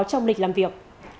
trong lịch làm việc